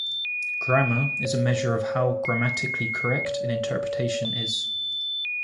Grammar is a measure of how grammatically correct an interpretation is.